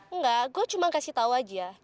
enggak gue cuma kasih tahu aja